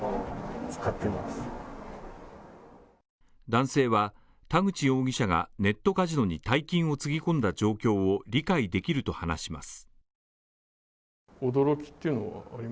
男性は田口容疑者がネットカジノに大金をつぎ込んだ状況を理解できると話します。